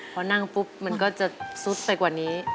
พอนั่งปุ๊บมันก็จะซุดไปกว่านี้